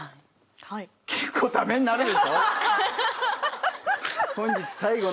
はい結構ためになるでしょ？